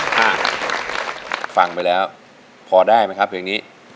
ฮะฟังไปแล้วพอได้ไหมครับเพลงนี้